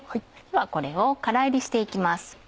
ではこれをから炒りして行きます。